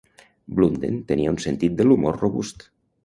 Blunden tenia un sentit de l'humor robust.